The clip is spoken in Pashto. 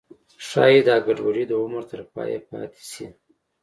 ښایي دا ګډوډي د عمر تر پایه پاتې شي.